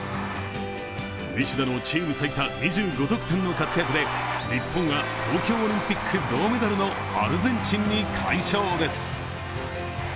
西田のチーム最多２５得点の活躍で日本は東京オリンピック銅メダルのアルゼンチンに快勝です。